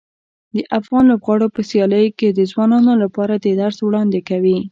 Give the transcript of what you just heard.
د افغان لوبغاړو په سیالیو کې د ځوانانو لپاره د درس وړاندې کوي.